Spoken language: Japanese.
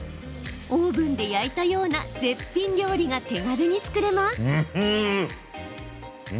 オーブンで焼いたような絶品料理が手軽に作れます。